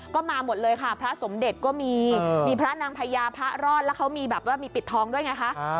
ก็มาหมดเลยค่ะพระสมเด็จก็มีมีพระนางพญาพระรอดแล้วเขามีแบบว่ามีปิดทองด้วยไงคะ